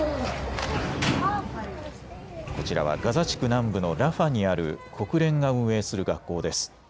こちらはガザ地区南部のラファにある国連が運営する学校です。